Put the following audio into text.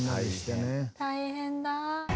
大変だ。